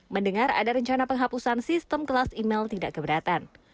mendengar ada rencana penghapusan sistem kelas email tidak keberatan